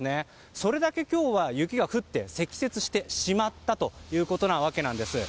それだけ、今日は雪が降って積雪してしまったということなわけなんです。